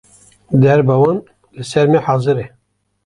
Derba wan li ser me hazir e